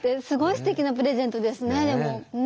すごいすてきなプレゼントですねでも。